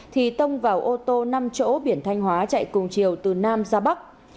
thì tông vào ô tô năm chỗ biển thanh hóa chạy cùng chiều từ nam ra bắc